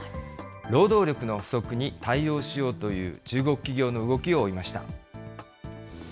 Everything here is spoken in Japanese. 労働力の不足に対応しようという中国企業の動きを追いました。